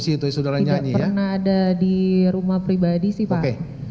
jadi tidak pernah ada di rumah pribadi sih pak